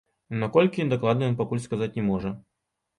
На колькі, дакладна ён пакуль сказаць не можа.